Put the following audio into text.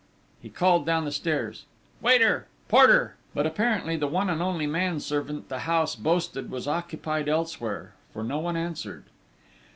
He called down the stairs: "Waiter!... Porter!" But apparently the one and only manservant the house boasted was occupied elsewhere, for no one answered.